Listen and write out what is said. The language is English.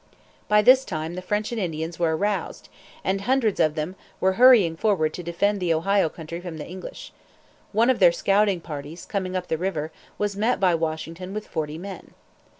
By this time the French and Indians were aroused, and hundreds of them were hurrying forward to defend the Ohio Country from the English. One of their scouting parties, coming up the river, was met by Washington with forty men.